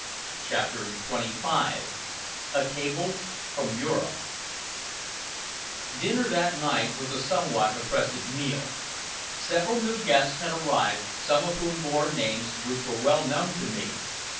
CHAPTER XXV A CABLE FROM EUROPE Dinner that night was a somewhat oppressive meal. Several new guests had arrived, some of whom bore names which were well known to me.